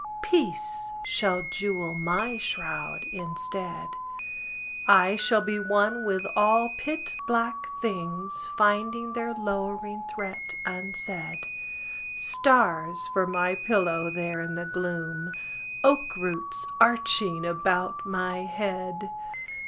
Peace shall jewel my shroud instead. I shall be one with all pit black things Finding their lowering threat unsaid: Stars for my pillow there in the gloom,— Oak roots arching about my head!